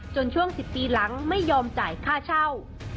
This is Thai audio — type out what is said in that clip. ช่วง๑๐ปีหลังไม่ยอมจ่ายค่าเช่า